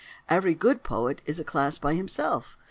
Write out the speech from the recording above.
Every good poet is a class by himself.